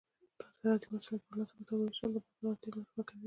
د زراعتي محصولات په مناسبه توګه ویشل د بازار اړتیا پوره کوي.